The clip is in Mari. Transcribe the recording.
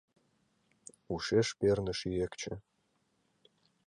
Ушеш перныш Ӱэкче